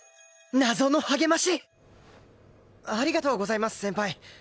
謎の励まし！ありがとうございます先輩。